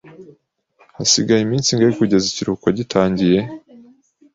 Hasigaye iminsi ingahe kugeza ikiruhuko gitangiye?